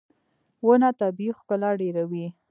• ونه طبیعي ښکلا ډېروي.